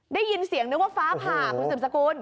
ได้ยินเสียงนึกว่าฟ้าผ่าคุณสืบสกุล